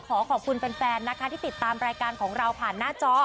ขอขอบคุณแฟนนะคะที่ติดตามรายการของเราผ่านหน้าจอ